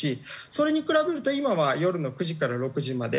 それに比べると今は夜の９時から６時まで。